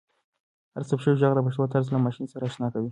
هر ثبت شوی ږغ د پښتو طرز له ماشین سره اشنا کوي.